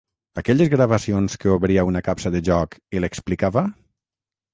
Aquelles gravacions que obria una capsa de joc i l'explicava?